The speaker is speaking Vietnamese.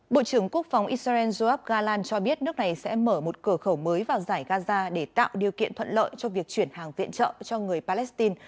bộ trưởng quốc phòng israel joab galan cho biết nước này sẽ mở một cửa khẩu mới vào giải gaza để tạo điều kiện thuận lợi cho việc chuyển hàng viện trợ cho người palestine